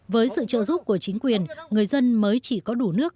với sự trợ giúp của chính quyền người dân mới chỉ có đủ nước